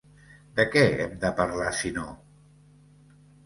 De què hem de parlar, si no?